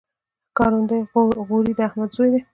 ښکارندوی غوري د احمد زوی دﺉ.